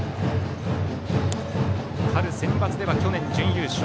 春センバツでは去年、準優勝。